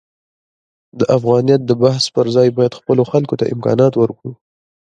د افغانیت د بحث پرځای باید خپلو خلکو ته امکانات ورکړو.